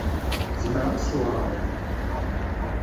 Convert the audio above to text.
Zemreɣ ad ṣewwreɣ da?